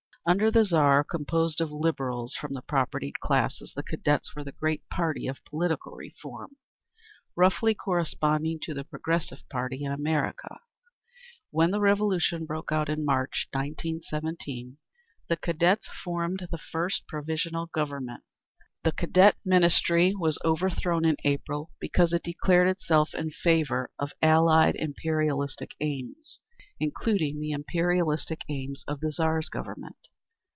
Under the Tsar composed of Liberals from the propertied classes, the Cadets were the great party of political reform, roughly corresponding to the Progressive Party in America. When the Revolution broke out in March, 1917, the Cadets formed the first Provisional Government. The Cadet Ministry was overthrown in April because it declared itself in favour of Allied imperialistic aims, including the imperialistic aims of the Tsar's Government.